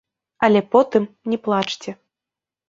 Але потым не плачце.